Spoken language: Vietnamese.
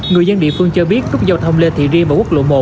người dân địa phương cho biết nút giao thông lê thị riêng và quốc lộ một